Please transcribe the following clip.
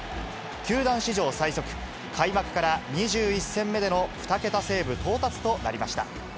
球団史上最速、開幕から２１戦目での２桁セーブ到達となりました。